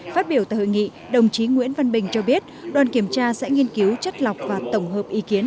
phát biểu tại hội nghị đồng chí nguyễn văn bình cho biết đoàn kiểm tra sẽ nghiên cứu chất lọc và tổng hợp ý kiến